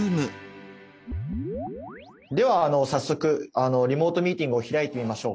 では早速リモートミーティングを開いてみましょう。